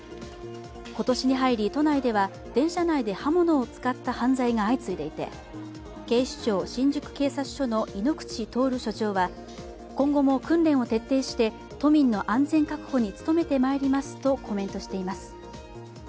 今年に入り、都内では電車内で刃物を使った犯罪が相次いでいて警視庁新宿警察署の井ノ口徹署長は今後も訓練を徹底して都民の安全確保に努めてまいりますとコメントしています。